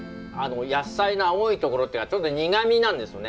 野菜の青いところというのがちょっと苦みなんですよね。